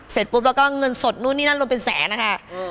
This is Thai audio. เสร็จปุ๊บแล้วก็เงินสดนู่นนี่นั่นรวมเป็นแสนนะคะ